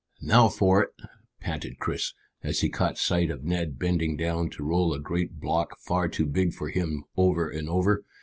"Now for it!" panted Chris, as he caught sight of Ned bending down to roll a great block far too big for him over and over.